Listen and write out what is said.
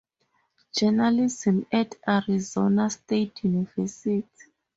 Journalism at Arizona State University.